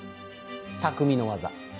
匠の技。